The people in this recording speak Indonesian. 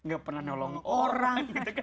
gak pernah nolong orang